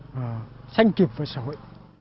và tranh kịp với xã hội